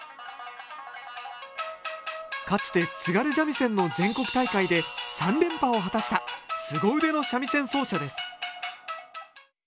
かつて津軽三味線の全国大会で３連覇を果たしたすご腕の三味線奏者です